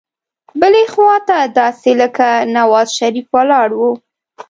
بلې خوا ته داسې لکه نوزا شریف ولاړ وو.